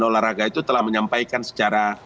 olahraga itu telah menyampaikan secara